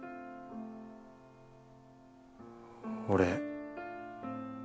俺。